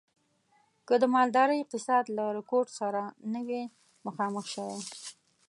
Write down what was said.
که د مالدارۍ اقتصاد له رکود سره نه وی مخامخ شوی.